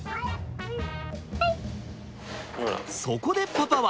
そこでパパは。